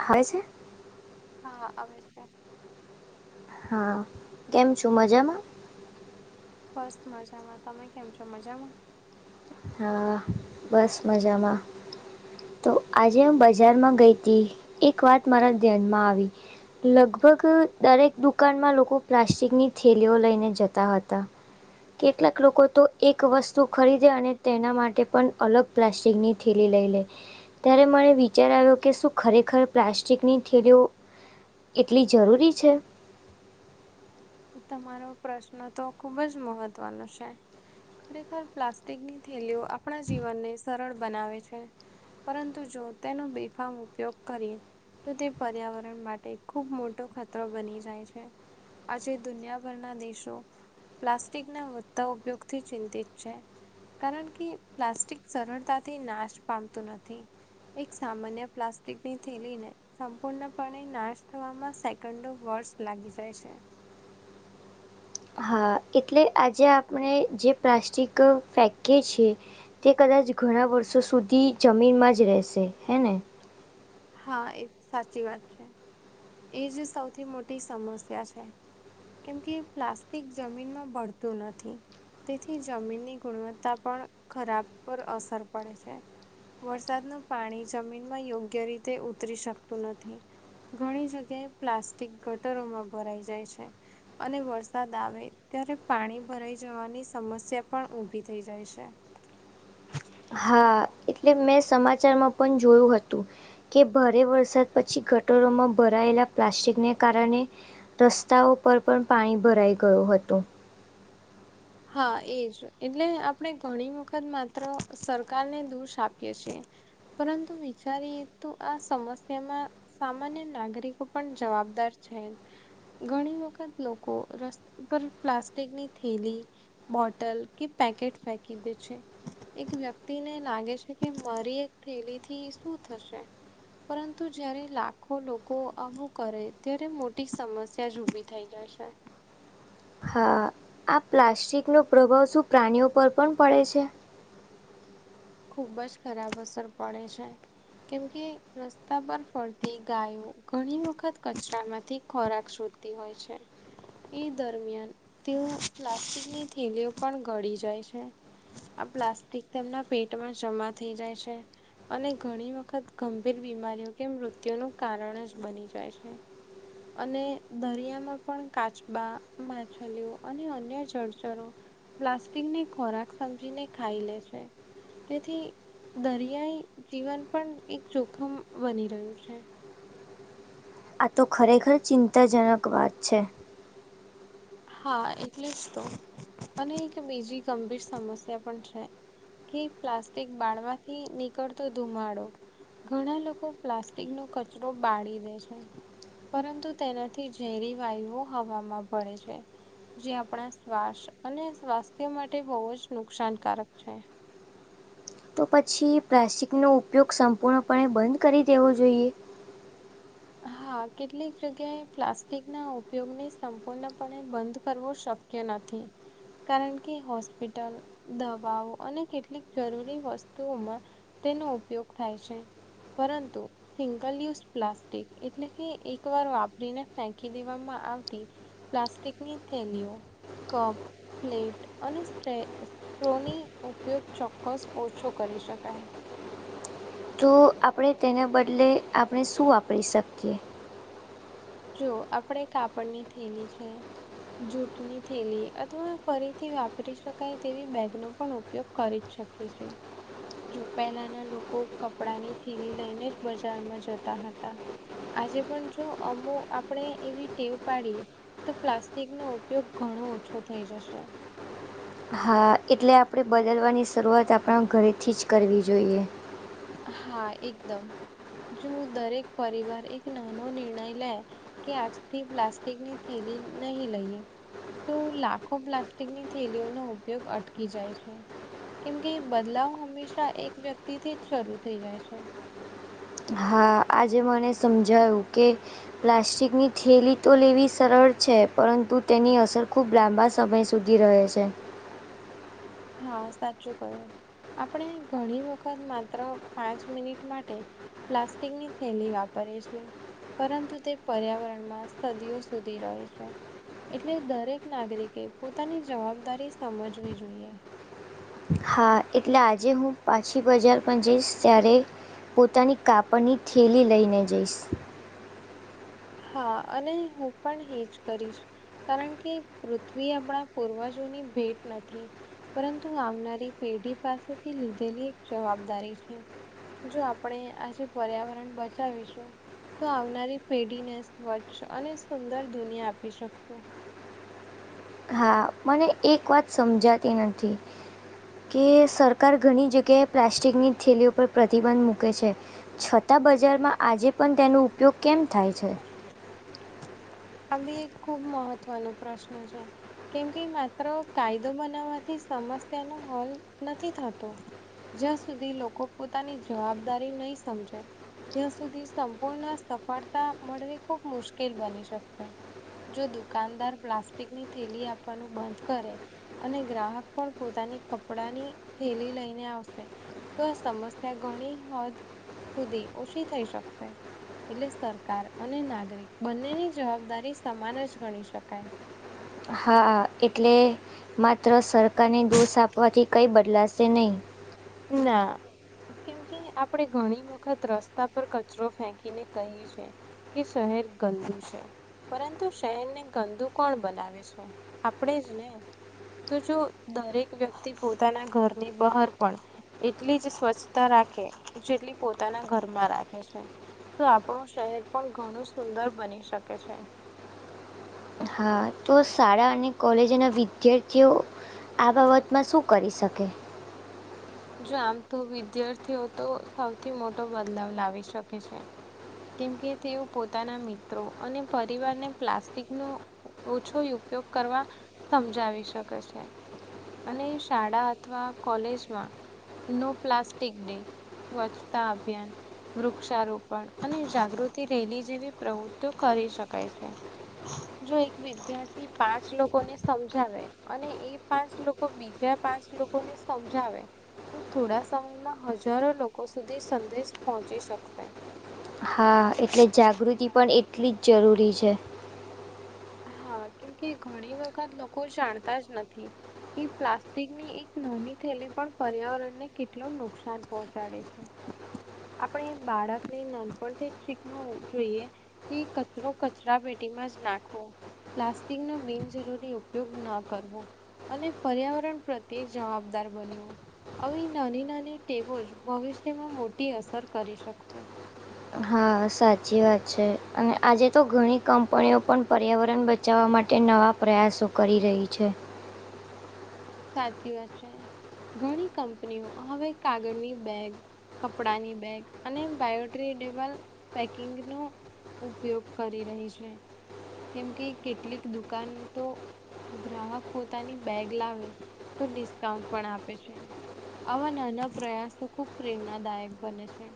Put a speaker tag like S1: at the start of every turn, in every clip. S1: આવે છે?
S2: હા આવે છે.
S1: હા કેમ છું મજામાં?
S2: બસ મજામાં. તમે કેમ છો મજામાં?
S1: હા બસ મજામાં. તો આજે હ બજારમાં ગઈ હતી એક વાત મારા ધ્યાનમાં આવી લગભગ દરેક દુકાનમાં લોકો પ્લાસ્ટિકની થેલીઓ લઈને જતા હતા. કેટલાક લોકો તો એક વસ્તુ ખરીદે અને તેના માટે પણ અલગ પ્લાસ્ટિકની થેલી લઈ લે. ત્યારે મને વિચાર આવ્યો કે શું ખરેખર પ્લાસ્ટિકની થેલીઓ એટલી જરૂરી છે.
S2: તમારો પ્રશ્ન તો ખુબ જ મહત્વનો છે. ખરેખર પ્લાસ્ટિકની થેલીઓ આપણા જીવનને સરળ બનાવે છે. પરંતુ જો તેનો બેફામ ઉપયોગ કરીએ. તો તે પર્યાવરણ માટે ખુબ મોટો ખતરો બની જાય છે આજે દુનિયાભરના દેશો પ્લાસ્ટિકના વધતા ઉપયોગથી ચિંતિત છે. કારણ કે પ્લાસ્ટિક સરળતાથી નાશ પામતું નથી. એક સામાન્ય પ્લાસ્ટિકની થેલી ને સંપૂર્ણપણે નાશ થવામાં સેકન્ડો વર્ષ લાગી જાય છે.
S1: હા એટલે આજે આપણે જે પ્લાસ્ટિક ફેંકીએ છે તે કદાચ ઘણાં વર્ષો સુધી જમીનમાં જ રહેશે હે ને?
S2: હા એ વાત છે એજ સૌથી સમસ્યા છે. કેમ કે પ્લાસ્ટિક જમીનમાં ભળતું નથી. તેથી જમીનની ગુણવત્તા પણ ખરાબ પર અસર પડે છે. વરસાદનું પાણી જમીનમાં યોગ્ય રીતે ઉતરી શકતું નથી. ઘણી જગ્યાએ પ્લાસ્ટિક ગટરોમાં ભરાઈ જાય છે. અને વરસાદ આવે ત્યારે પાણી ભરાઈ જવાની સમસ્યા પણ ઊભી થઈ જાય છે.
S1: હા. એટલે મેં સમાચારમાં પણ જોયું હતું. કે ભારે વરસાદ પછી ગટરોમાં ભરાયેલા પ્લાસ્ટિકને કારણે. રસ્તાઓ પર પણ પાણી ભરાઈ ગયું હતું.
S2: હા એજ. એટલે આપણે ઘણી વખત માત્ર સરકારને દોષ આપીએ છીએ. પરંતુ વિચારીએ તો આ સમસ્યામાં. સામાન્ય નાગરિકો પણ જવાબદાર છે જ. ઘણી વખત લોકો રસ્તા પર પ્લાસ્ટિકની થેલી. બોટલ કે પેકેટ ફેકી દે છે. એક વ્યક્તિને લાગે છે કે મારી એક થેલી થી શું થશે. પરંતુ જયારે લાખો લોકો આવું કરે ત્યારે મોટી સમસ્યા જ ઉભી થઈ જાય છે.
S1: હા આ પ્લાસ્ટિકનો પ્રભાવ શું પ્રાણીઓ પર પણ પડે છે?
S2: ખુબ જ ખરાબ અસર પડે છે. કેમ કે રસ્તા પર ફરતી ગાયો ઘણી વખત કચરામાંથી ખોરાક શોધ તી હોય છે. એ દરમિયાન તેઓ પ્લાસ્ટિકની થેલીઓ પણ ઘડી જાય છે. આ પ્લાસ્ટિક તેમના પેટમાં જમા થઈ જાય છે. અને ઘણી વખત ગંભીર બીમારીઓ કે મૃત્યુનું કારણ જ બની જાય છે. અને દરિયામાં પણ કાચબા, માછલીઓ અને અન્ય જળચરો પ્લાસ્ટિકને ખોરાક સમજીને ખાઈ લે છે. તેથી દરિયાઈ જીવન પણ એક જોખમ બની રહ્યું છે.
S1: આ તો ખરેખર ચિંતાજનક વાત છે.
S2: હા એટલે જ તો. અને એક બીજી ગંભીર સમસ્યા પણ છે. થી પ્લાસ્ટિક બાળવાથી નીકળતો ધુમાડો. ઘણા લોકો પ્લાસ્ટિકનો કચરો બાળી દે છે. પરંતુ તેનાથી ઝેરી વાયુઓ હવામાં ભડે છ છે. જે આપણા શ્વાસ અને સ્વાસ્થ્ય માટે બહુ જ નુકસાનકારક છે.
S1: તો પછી પ્લાસ્ટિકનો ઉપયોગ સંપૂર્ણપણે બંધ કરી દેવો જોઈએ?
S2: હા કેટલીક જગ્યાએ પ્લાસ્ટિકના ઉપયોગને સંપૂર્ણપણે બંધ કરવો શક કય નથી. કારણ કે હોસ્પિટલ, દવાઓ અને કેટલીક જરૂરી વસ્તુઓમાં તેનો ઉપયોગ થાય છે. પરંતુ સિંગલ યુઝ પ્લાસ્ટ ટિક એટલે કે એકવાર વાપરીને ફેંકી દેવામાં આવતી. પ્લાસ્ટિકની થેલીઓ, કપ પ્લેટ અને સ્ટે સ્ટ્રોની ઉપયોગ ચોક્કસ ઓછો કરી શકાય.
S1: તો આપણે તેને બદલે આપણે શું વાપરી શકીએ?
S2: જો આપણેે કાપડની થેલી છે. જૂઠની થેલી અથવા ફરીથી વાપરી શકાય તેવી બેગનો પણ ઉપયોગ કરી શકીએ છે. જો પહેલાના લોકો કપડાની થેલી લઈને જ બજારમાં જતા હતા. આજે પણ જો અમું આપણે એવી ટેવ પાડીએ તો પ્લાસ્ટિકનો ઉપયોગ ઘણો ઓછો થઈ જશે.
S1: હા એટલે આપણે બદલવાની શરૂઆત આપણા ઘરેથી જ કરવી જોઈએ.
S2: હા એકદમ. જો દરેક પરિવાર એક નાનો નિર્ણય લે કે આજથી પ્લાસ્ટિક ની થેલી નહીં લઈએ. તો લાખો પ્લાસ્ટિકની થેલીઓનો ઉપયોગ અટકી જાય છે. કેમ કે ઈ બદલાવ હંમેશા એક વ્યક્તિ થી જ શરૂ થઈ જાય છે.
S1: હા. આ આજે મને સમજાયું કે પ્લાસ્ટિકની થેલી તો લેવી સરળ છે, પરંતુ તેની અસર ખૂબ લાંબા સમય સ સુધી રહે છે.
S2: હા સાચું કહ્યું. આપણે ઘણી વખત માત્ર પાંચ મિનિટ માટે પ્લાસ્ટિકની થેલી વાપરીએ છે. પરંતુ તે પર્યાવરણમાં સદીઓ સુધી રહે છે. એટલે દરેક નાગરિકે પોતાની જવાબદારી સમજવી જોઈએ.
S1: હા. એટલે આજે હું પાછી બજાર પણ જઈશ ત્યારે પોતાની કાપડની થેલી લઈને જઈશ.
S2: હા. અને હું પણ હે જ કરીશ. કારણ કે પૃથ્વી આપણા પૂર્વજોની ભેટ નથી. પરંતુ આવનારી પેઢી પાસેથી લીધેલી એક જવાબદારી છે. જો આપણે આજે પર્યાવરણ બચાવીશું, તો આવનારી પેઢ ઢીને સ્વચ્છ અને સુંદર દુનિયા આપી શકશું.
S1: હા. [unintelligible] મને એક વાત સમજાતી નથી. કે સરકાર ઘણી જગ્યાએ પ્લાસ્ટિકની થેલીઓ પર પ્રતિબંધ મૂકે છે. છતાં બજારમાં આજે પણ તેનો ઉપયોગ કેમ થાય છે?
S2: [inaudible] આ બી એક ખુબ મહત્વનો પ્રશ્ન છે. કેમ કે માત્ર કાયદો બનાવવાથી સમસ્યા નો હલ નથી થતો. જ્યાં સુધી લોકો પોતાની જવાબદારી નહીં સમજે ત્યાં સુધી સંપૂર્ણ સફળતા મળવી ખૂબ મુશ્કેલ બની શક કે. જો દુકાનદાર પ્લાસ્ટિકની થેલી આપવાનું બંધ કરે અને ગ્રાહક પણ પોતાની કપડાની થેલી લઈને આવશે તો આ સમસ્યા ઘણી હદ સુધી ઓછી થઈ શકશે. એટલે સરકાર અને નાગરિક બંનેની જ જવાબદારી સમાન જ ગણી શકાય.
S1: હા. એટલે માત્ર સરકારને દોષ આપવાથી કંઈ બદલાશે નહીં.
S2: ના. કેમ કે આપણે ઘણી વખત રસ્તા પર કચરો ફેંકીને કહીએ છે. કે શહેર ગંદુ છે, પરંતુ શહેરને ગંદુ કોણ બનાવે છે? આપણેે જ ને. તો જો દરેક વ્યક્તિ પોતાના ઘરની બહાર પણ એટલી જ સ્વચ્છતા રાખે, જેટલી પોતાના ઘરમાં રાખે છે. તો આપણું શહેર પણ ઘણું સુંદર બની શકે છે.
S1: હા તો શાળા અને કોલેજના વિદ્યાર્થીઓ આ બાબતમાં શું કરી શકે?
S2: જો આમ તો વિદ્યાર્થીઓ તો સૌથી મોટો બદલાવ લાવી શકે છે. કેમ કે તેઓ પોતાના મિત્રો અને પરિવારને પ્લાસ્ટિક નો ઓછો ઉપયોગ કરવા સમજાવી શકે છે. અને શાળા અથવા કોલેજમાં નો પ્લાસ્ટિક ડે, સ્વચ્છતા અભિયાન. વૃક્ષારોપણ અને જાગૃતિ રેલી જેવી પ્રવૃત્તિઓ કરી શકાય છે. જો એક વિદ્યાર્થી પાંચ લોકોને સમજાવે. અને એ પાંચ લોકો, બીજા પાંચ લોકો ને સમજાવે. તો થોડા સમયમાં હજારો લોકો સુધી સંદેશ પહોંચી શકશે.
S1: હા, એટલે જાગૃતિ પણ એટલી જ જરૂરી છે.
S2: હા, કેમકે ઘણી વખત લોકો જાણતા જ નથી. પ્લાસ્ટિકની નાની થયેલી પણ પર્યાવરણને કેટલું નુકસાન પહોંચાડે છે.
S1: હ [unintelligible]
S2: આપણે બાળકને નાનપણથી જ શીખવું જોઈએ. કચરો, કચરા પેટીમાં જ નાખ. પ્લાસ્ટિક નો બિનજરૂરી ઉપયોગ ન કરવો. અને પર્યાવરણ પ્રત્યે જવાબદાર બનવું. આવી નાની-નાની ટેબો ભવિષ્યમાં મોટી અસર કરી શકશે.
S1: હા, સાચી વાત છે, અને આજે તો ઘણી કંપનીઓ પણ પર્યાવરણ બચશે. બચાવવા માટે નવા પ્રયાસો કરી રહી છે.
S2: સાચી વાત છે, ઘણી કંપનીઓ હવે કાગળની બેગ કપડાની બેગ અને બાયોડ્રેડેબલ પેકિંગ ન ઉપયોગ કરી રહી છે. કેમ કેટલીક દુકાન ગ્રાહક પોતાની બેગ લાવે. તો ડિસ્કાઉન્ટ પણ આપે છે. આવા નાના પ્રયાસો ખુબ પ્રેરણાદાયક બને છે.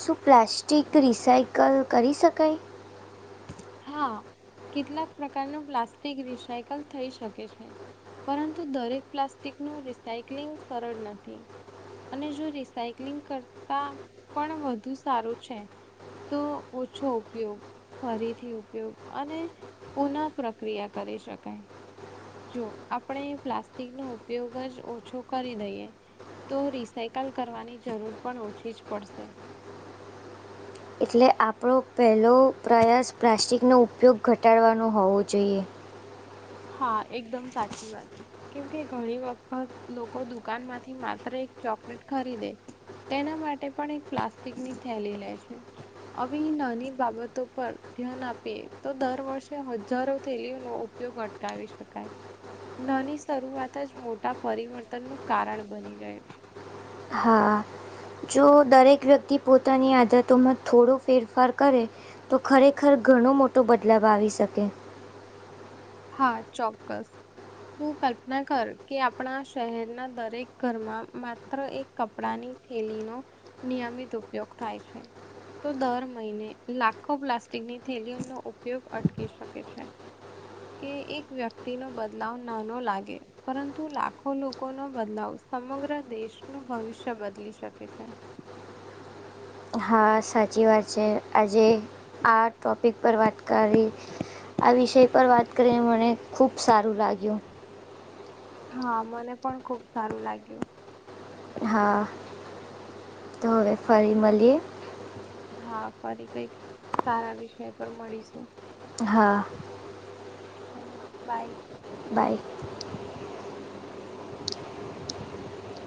S1: શું પ્લાસ્ટિક રિસાયકલ કરી શકાય?
S2: હા, કેટલાક પ્રકારનું પ્લાસ્ટિક રિસાયકલ છે? પરંતુ દરેક પ્લાસ્ટિક નું રિસાયક્લિંગ સરળ નથી. અને જો રિસાયક્લિંગ કરતા પણ વધુ સારું છે. તો ઓછો ઉપયોગ ફરી. ઉપયોગ અને પુનઃ પ્રક્રિયા શકાય. જો આપણે પ્લાસ્ટિકનોો ઉપયોગ જ ઓછો કરી દઈએ. તો રિસાયકલ કરવાની જરૂર પણ ઓછી જ પડશે.
S1: એટલે આપણો પહેલો પ્રયાસ પ્લાસ્ટિકનો ઉપયોગ ઘટાડવાનો હોવો જોઈએ.
S2: હા, એકદમ સાચી વાત. કેમ કે, ઘણી વખત લોકો દુકાન માંથી માત્ર એક ચોકલેટ ખરીદે. તેના માટે પણ એક પ્લાસ્ટિકની થેલી લે છે. આવીવે નાની બાબતો પર ધ્યાન આપીએ તો, દર વર્ષે હજારો થેલીઓનો બ અટકાવી શકાય. નાની શરૂઆત જ મોટા પરિવર્તન નું કારણ બની જાય.
S1: હા. જો દરેક વ્યક્તિ પોતાની આદતોમાં થોડો ફેરફાર કરે. તો ખરેખર ઘણો મોટો બદલાવ આવી શકે.
S2: હા, ચોક્કસ. તું કલ્પના કર કે, આપણા શહેરના દરેક ઘરમાં માત્ર એક કપડાની થેલીનો નિયમિત ઉપયોગ થાય છે. તો દર મહિને લાખો પ્લાસ્ટિકની થેલીઓ નો ઉપયોગ અટકી શકે છે. કે એક વ્યક્તિ નો બદલાવ નાનો લાગે. પરંતુ લાખો લોકોનો બદલાવ સમગ્ર દેશનું ભવિષ્ય બદલી શકે છે.
S1: હા સાચી વાત છે, આજે આ ટોપિક પર વાત કરી. આ વિષય પર વાત કરીને મને ખુબ સારું લાગ્યું.
S2: હા મને પણ ખુબ સારું લાગ્યું.
S1: હા. તો હવે ફરી મળીએ.
S2: હા ફરી કંઈક સારા વિષય પર મળીશું.
S1: હા.
S2: ચલો બાાય.
S1: બાય.